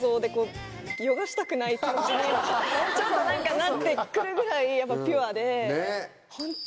気持ちにちょっと何かなってくるぐらいピュアで。